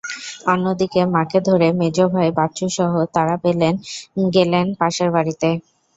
অন্যদিকে মাকে ধরে মেজ ভাই বাচ্চুসহ তারা পেলেন গেলেন পাশের বাড়িতে।